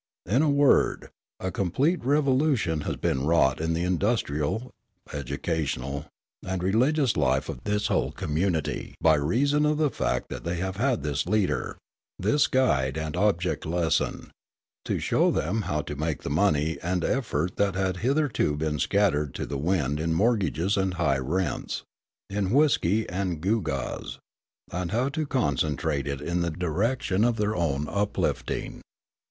In a word, a complete revolution has been wrought in the industrial, educational, and religious life of this whole community by reason of the fact that they have had this leader, this guide and object lesson, to show them how to take the money and effort that had hitherto been scattered to the wind in mortgages and high rents, in whiskey and gewgaws, and how to concentrate it in the direction of their own uplifting.